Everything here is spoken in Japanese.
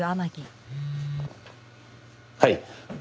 はい。